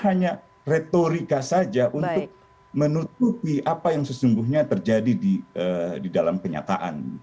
hanya retorika saja untuk menutupi apa yang sesungguhnya terjadi di dalam kenyataan